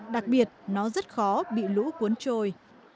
đặc biệt nó rất khó bị lũ cuốn trôi